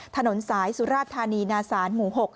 ถนนสายสุราธานีนาศาลหมู่๖